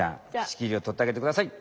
しきりをとってあげてください。